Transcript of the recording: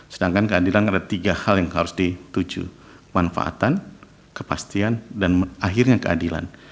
sedangkan keadilan ada tiga hal yang harus dituju manfaatan kepastian dan akhirnya keadilan